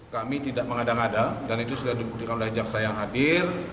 kami tidak mengadang ada dan itu sudah dibuktikan oleh jaksa yang hadir